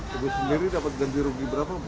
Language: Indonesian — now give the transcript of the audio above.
ibu sendiri dapat ganti rugi berapa bu